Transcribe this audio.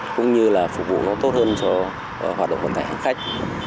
cũng như là phục vụ nó tốt hơn cho hoạt động vận tải hành khách